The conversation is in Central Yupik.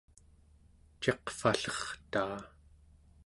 ciqvallertaa